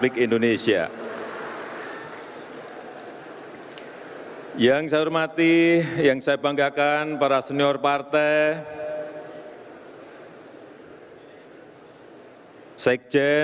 hei yang tipe kubaroko